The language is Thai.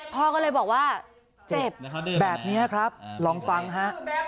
พ่อก็เลยบอกว่าเจ็บแบบนี้ครับลองฟังฮะ